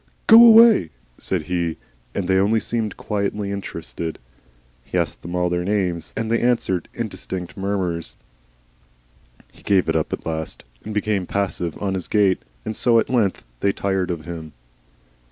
"Go away," said he, and they only seemed quietly interested. He asked them all their names then, and they answered indistinct murmurs. He gave it up at last and became passive on his gate, and so at length they tired of him.